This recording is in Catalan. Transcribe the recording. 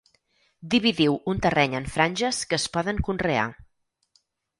Dividiu un terreny en franges que es poden conrear.